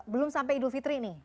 belum sampai idul fitri nih